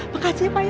makasih pak ya